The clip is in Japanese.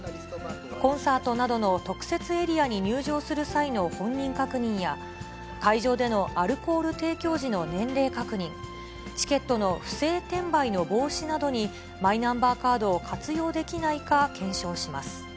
コンサートなどの特設エリアに入場する際の本人確認や、会場でのアルコール提供時の年齢確認、チケットの不正転売の防止などに、マイナンバーカードを活用できないか検証します。